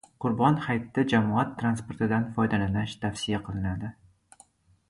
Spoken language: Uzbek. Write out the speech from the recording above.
Qurbon hayitida jamoat transportidan foydalanish tavsiya qilindi